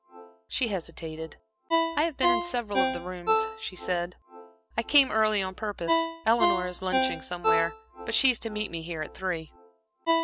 She hesitated. "I have been in several of the rooms," she said. "I came early on purpose. Eleanor is lunching somewhere, but she is to meet me here at three."